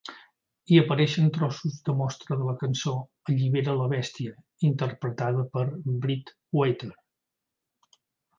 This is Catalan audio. Hi apareixen trossos de mostra de la cançó "Allibera la bèstia" interpretada per Breakwater.